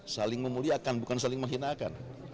saling memuliakan bukan saling menghinakan